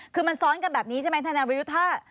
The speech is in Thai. คือมันซ้อนกันแบบนี้ใช่ไหมทนายวิวท่า